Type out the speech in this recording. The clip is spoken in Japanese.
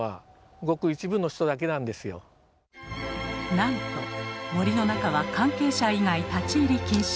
なんと森の中は関係者以外立ち入り禁止。